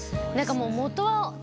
もう。